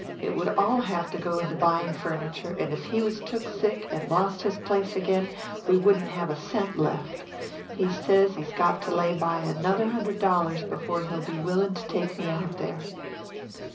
It would all have to go into buying furniture, and if he was took sick and lost his place again we wouldn't have a cent left. He says he's got to lay by another hundred dollars before he'll be willing to take me out there."